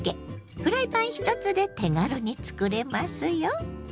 フライパン１つで手軽につくれますよ。